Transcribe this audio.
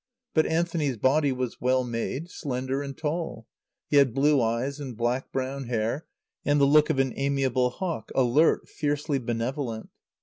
But Anthony's body was well made, slender and tall. He had blue eyes and black brown hair, and the look of an amiable hawk, alert, fiercely benevolent.